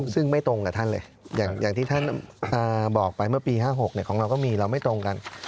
ซึ่งไม่ตรงกับท่านเลยอย่างที่ท่านบอกไปเมื่อปี๕๖ของเราก็มีเราไม่ตรงกัน